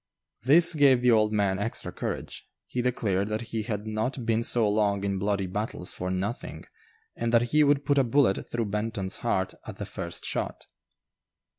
This gave the old man extra courage; he declared that he had not been so long in bloody battles "for nothing," and that he would put a bullet through Benton's heart at the first shot.